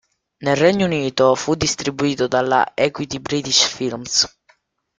Nel Regno Unito, fu distribuito dalla Equity British Films.